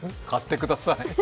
買ってください。